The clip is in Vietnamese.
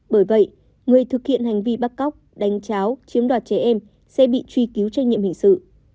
bởi vậy người thực hiện hành vi bắt cóc đánh cháo chiếm đoạt trẻ em sẽ bị truy cứu trách nhiệm hình sự